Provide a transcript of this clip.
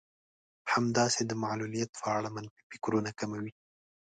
همداسې د معلوليت په اړه منفي فکرونه کموي.